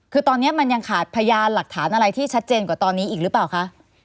คือตอนนี้มันยังขาดพยานหลักฐานอะไรที่ชัดเจนกว่าตอนนี้อีกหรือเปล่าคะ